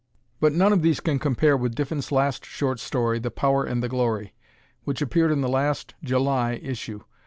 But none of these can compare with Diffin's last short story, "The Power and the Glory," which appeared in the last (July) issue.